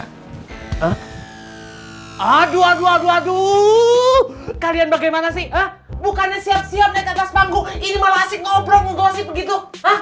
hah aduh aduh aduh aduh kalian bagaimana sih bukannya siap siap naik atas panggung ini malah asik ngobrol ngugosip begitu